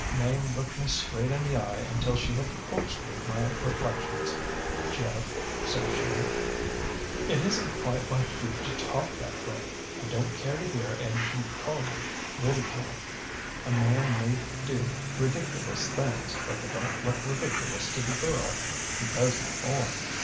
ŌĆÖ ŌĆ£Mame looked me straight in the eye until she had corkscrewed my reflections. ŌĆ£ŌĆśJeff, ŌĆÖ says she, ŌĆśit isnŌĆÖt quite like you to talk that way. I donŌĆÖt care to hear Ed Collier ridiculed. A man may do ridiculous things, but they donŌĆÖt look ridiculous to the girl he does ŌĆÖem for.